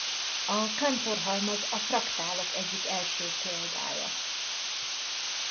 A Cantor-halmaz a fraktálok egyik első példája.